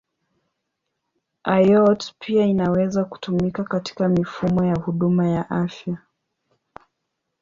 IoT pia inaweza kutumika katika mifumo ya huduma ya afya.